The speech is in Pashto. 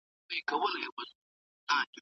د کندهار خلکو خپله خپلواکي په وینو ګټلې ده.